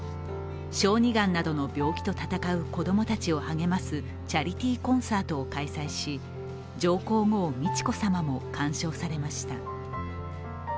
小児がんなどの病気と闘う子供たちを励ますチャリティーコンサートを開催し、上皇后・美智子さまも鑑賞されました。